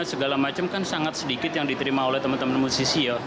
segala macam kan sangat sedikit yang diterima oleh teman teman musisi ya